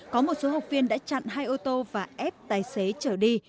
có một số học viên đã chặn hai ô tô và ép tài xế trở đi